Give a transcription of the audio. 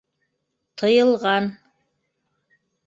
Тыйылған!